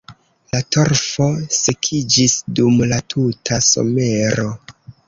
La torfo sekiĝis dum la tuta somero.